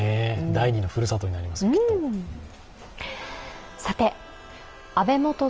第２のふるさとになります、きっと。